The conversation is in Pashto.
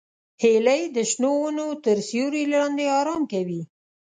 هیلۍ د شنو ونو تر سیوري لاندې آرام کوي